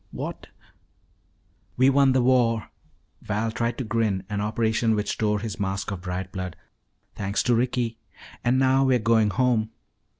"What " "We won the war," Val tried to grin, an operation which tore his mask of dried blood, "thanks to Ricky. And now we're going home."